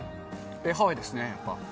ハワイですね、やっぱ。